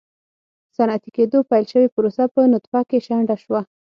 صنعتي کېدو پیل شوې پروسه په نطفه کې شنډه کړه.